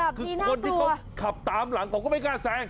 คือคนที่เขาขับตามหลังเขาก็ไม่กล้าแซง